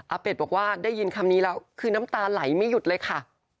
เป็ดบอกว่าได้ยินคำนี้แล้วคือน้ำตาไหลไม่หยุดเลยค่ะ